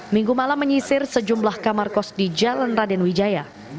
minggu malam menyisir sejumlah kamar kos di jalan raden wijaya